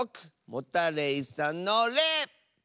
モタレイさんの「レ」！